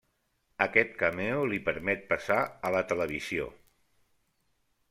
Aquest cameo li permet passar a la televisió.